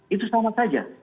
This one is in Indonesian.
itu sama saja